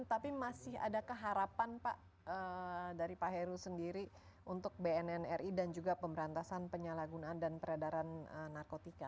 tapi masih ada keharapan pak dari pak heru sendiri untuk bnnri dan juga pemberantasan penyalahgunaan dan peredaran narkotika